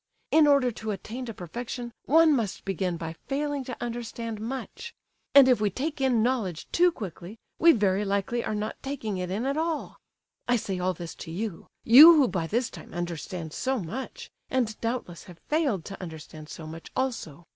In order to attain to perfection, one must begin by failing to understand much. And if we take in knowledge too quickly, we very likely are not taking it in at all. I say all this to you—you who by this time understand so much—and doubtless have failed to understand so much, also.